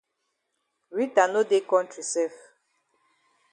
Rita no dey kontri sef.